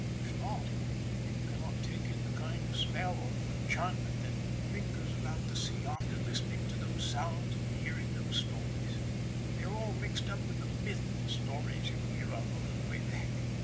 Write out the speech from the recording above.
If not, you cannot take in the kind of spell or enchantment that lingers about the sea after listening to these sounds or hearing these stories. They are all mixed up with the "myth" stories you heard of a little way back.